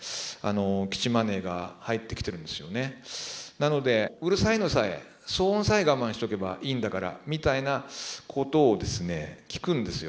なのでうるさいのさえ騒音さえ我慢しておけばいいんだからみたいなことをですね聞くんですよ。